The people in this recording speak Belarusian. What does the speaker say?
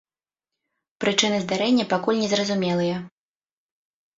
Прычыны здарэння пакуль незразумелыя.